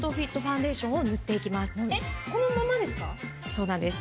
そうなんです。